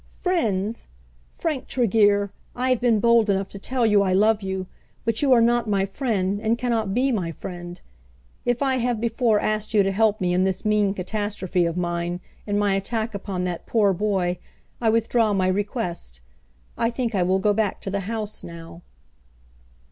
"Friends! Frank Tregear, I have been bold enough to tell you I love you; but you are not my friend, and cannot be my friend. If I have before asked you to help me in this mean catastrophe of mine, in my attack upon that poor boy, I withdraw my request. I think I will go back to the house now."